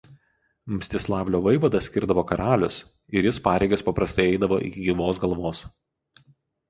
Mstislavlio vaivadą skirdavo karalius ir jis pareigas paprastai eidavo iki gyvos galvos.